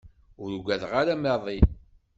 Ur ugadeɣ ara maḍi.